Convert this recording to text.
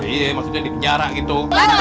iya maksudnya di penjara gitu